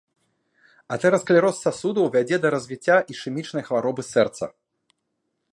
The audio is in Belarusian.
Атэрасклероз сасудаў вядзе да развіцця ішэмічнай хваробы сэрца.